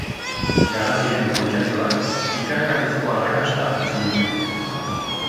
Garaziren poltsatxoak ikaragarrizko arrakasta izan dute.